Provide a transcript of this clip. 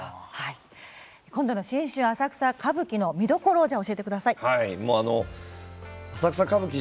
今度の「新春浅草歌舞伎」の見どころを教えてください。